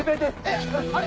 えっ！